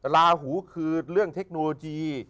ลาหูคือเรื่องเทคโนโลยี